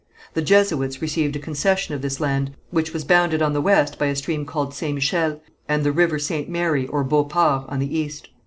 The Jesuits received a concession of this land which was bounded on the west by a stream called St. Michel, and the river St. Mary or Beauport on the east.